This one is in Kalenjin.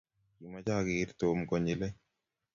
kamoche ager Tom konyilei.